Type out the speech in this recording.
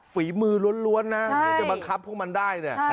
ฝีมือล้วนนะจะบังคับพวกมันได้